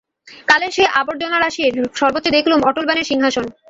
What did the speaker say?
কালের সেই আবর্জনারাশির সর্বোচ্চে দেখলুম অটল বাণীর সিংহাসন।